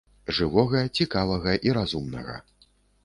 Жывога, цікавага і разумнага.